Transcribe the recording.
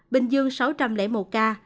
bình dương sáu trăm linh một ca